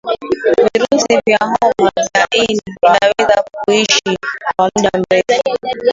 virusi vya homa ya ini vinaweza kuishi kwa muda mrefu